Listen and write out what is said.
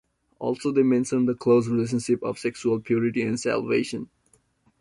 Also, they mentioned the close relationship of sexual purity and salvation.